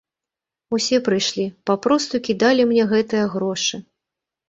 Усе прыйшлі, папросту кідалі мне гэтыя грошы.